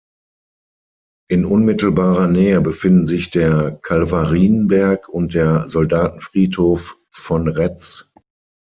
In unmittelbarer Nähe befinden sich der Kalvarienberg und der Soldatenfriedhof von Retz.